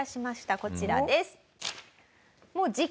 こちらです。